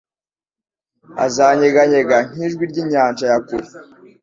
Azanyeganyega nk'ijwi ry'inyanja ya kure